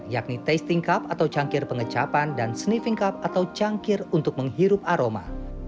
yakni tasting cup atau cangkir pengecapan dan sniffing cup atau cangkir untuk menghirup aroma